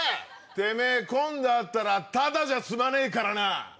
てめぇ今度会ったらタダじゃ済まねえからな！